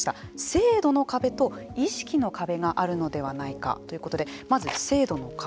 制度の壁と意識の壁があるのではないかということでまず制度の壁。